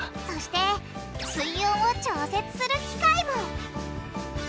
そして水温を調節する機械も。